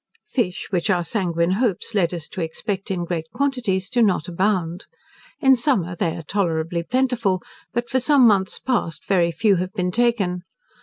Fish, which our sanguine hopes led us to expect in great quantities, do not abound. In summer they are tolerably plentiful, but for some months past very few have been taken.